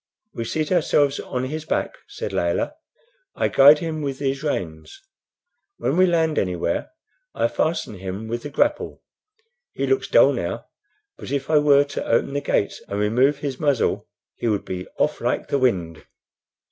"We seat ourselves on his back," said Layelah. "I guide with these reins. When we land anywhere I fasten him with the grapple. He looks dull now, but if I were to open the gate and remove his muzzle he would be off like the wind."